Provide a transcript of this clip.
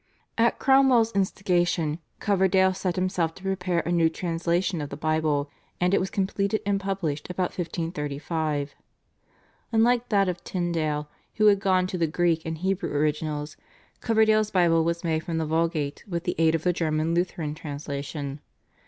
At Cromwell's instigation Coverdale set himself to prepare a new translation of the Bible, and it was completed and published about 1535. Unlike that of Tyndale, who had gone to the Greek and Hebrew originals, Coverdale's Bible was made from the Vulgate with the aid of the German Lutheran translation.